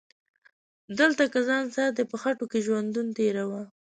دلته که ځان ساتي په خټو کې ژوندون تیروه